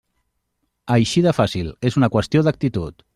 Així de fàcil, és una qüestió d'actitud.